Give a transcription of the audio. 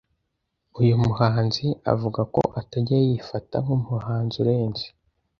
Uyu muhanzi avuga ko atajya yifata nk’umuhazi urenze